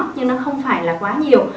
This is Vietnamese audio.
nhưng nó không phải là quá nhiều